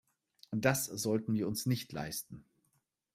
Das sollten wir uns nicht leisten.